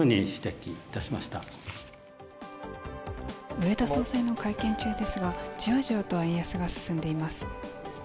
植田総裁の会見中ですが、じわじわと円安が進んでいます。